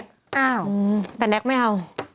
อ้าวแต่แน็กไม่เอา